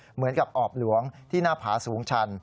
เหมือนกับออบหลวงที่หน้าผาสูงชัน